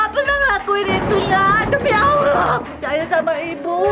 percaya sama ibu